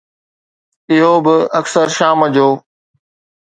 اهو به اڪثر شام جو.